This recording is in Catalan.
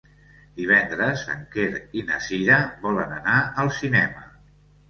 Divendres en Quer i na Cira volen anar al cinema.